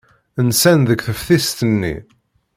Nsan deg teftist-nni.